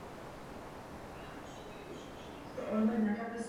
Toto bylo ničím nepřekvapující zasedání Rady.